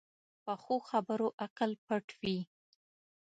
پخو خبرو عقل پټ وي